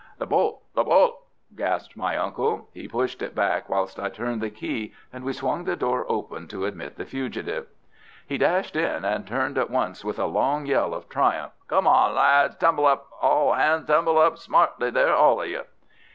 "The bolt! The bolt!" gasped my uncle. He pushed it back whilst I turned the key, and we swung the door open to admit the fugitive. He dashed in and turned at once with a long yell of triumph. "Come on, lads! Tumble up, all hands, tumble up! Smartly there, all of you!"